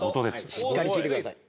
しっかり聴いてください。